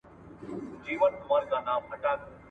مزل